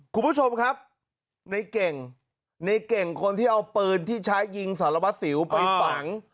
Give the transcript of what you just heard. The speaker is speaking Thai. คุณผู้ชมครับในเก่งในเก่งคนที่เอาปืนที่ใช้ยิงสารวัสสิวไปฝัง